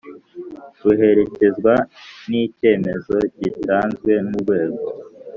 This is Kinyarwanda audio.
Ruherekezwa n icyemezo gitanzwe n urwego